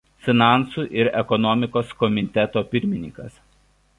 Finansų ir ekonomikos komiteto pirmininkas.